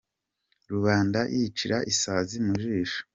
Rubanda yicira isazi mu jisho !